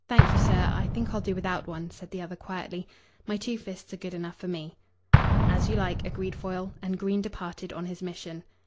"Thank you, sir, I think I'll do without one," said the other quietly. "My two fists are good enough for me." "As you like," agreed Foyle, and Green departed on his mission.